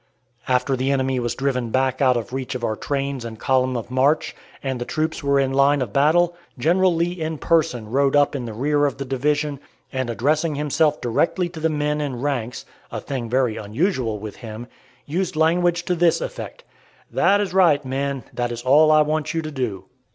After the enemy was driven back out of reach of our trains and column of march, and the troops were in line of battle, General Lee in person rode up in rear of the division, and addressing himself directly to the men in ranks (a thing very unusual with him) used language to this effect: "That is right, men; that is all I want you to do.